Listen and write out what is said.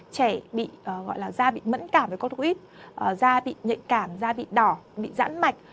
trẻ da bị mẫn cảm với corticoid da bị nhạy cảm da bị đỏ bị rãn mạch